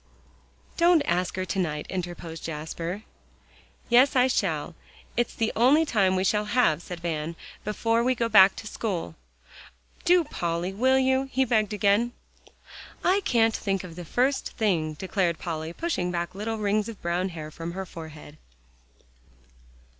"Don't ask her to night," interposed Jasper. "Yes, I shall. It's the only time we shall have," said Van, "before we go back to school. Do, Polly, will you?" he begged again. "I can't think of the first thing," declared Polly, pushing back little rings of brown hair from her forehead.